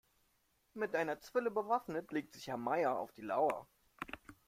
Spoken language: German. Mit einer Zwille bewaffnet legt sich Herr Meier auf die Lauer.